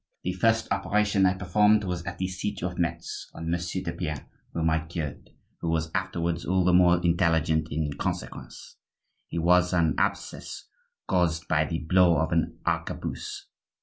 The first operation I performed was at the siege of Metz, on Monsieur de Pienne, whom I cured, who was afterwards all the more intelligent in consequence. His was an abscess caused by the blow of an arquebuse.